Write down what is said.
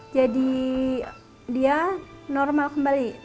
jadi dia normal kembali